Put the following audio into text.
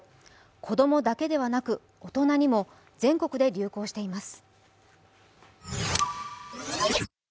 子どもだけではなく、大人にも全国で流行しています。